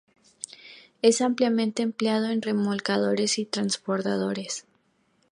Es ampliamente empleado en remolcadores y transbordadores.